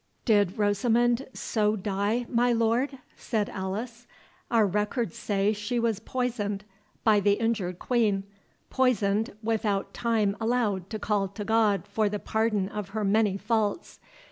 "Did Rosamond so die, my lord?" said Alice. "Our records say she was poisoned by the injured Queen—poisoned, without time allowed to call to God for the pardon of her many faults.